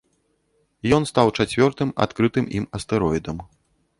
Ён стаў чацвёртым адкрытым ім астэроідам.